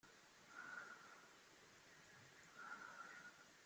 Sḥissifeɣ imi ur tessineḍ aya.